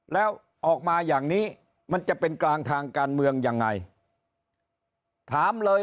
แล้วออกมาอย่างนี้มันจะเป็นกลางทางการเมืองยังไงถามเลย